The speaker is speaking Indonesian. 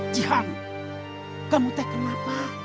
cihan kamu teh kenapa